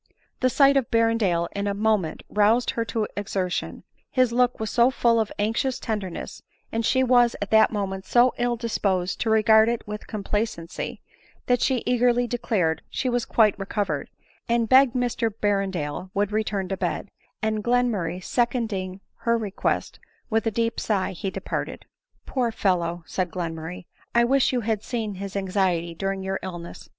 The sight of Berrendale in a moment roused her to ex ertion ; his look was so full of anxious tenderness, and she was at that moment so ill disposed to regard it with complacency, that she eagerly declared she was quite re covered, and begged Mr Berrendale would return to bed ; and Glenmurray seconding her request, with a deep sigh he departed. " Poor fellow !" said Glenmurray, " I wish you had seen his anxiety during your illness